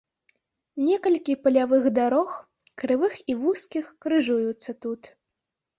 Некалькі палявых дарог, крывых і вузкіх, крыжуюцца тут.